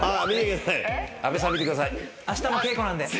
阿部さん見てください。